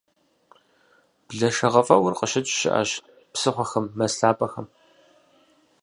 Блэшэгъэфӏэӏур къыщыкӏ щыӏэщ псыхъуэхэм, мэз лъапэхэм.